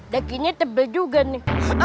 dakinya tebal juga ini